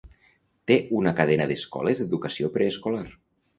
Té una cadena d'escoles d'educació preescolar.